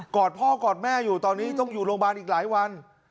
อดพ่อกอดแม่อยู่ตอนนี้ต้องอยู่โรงพยาบาลอีกหลายวัน